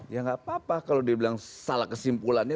ya tidak apa apa kalau dibilang salah kesimpulannya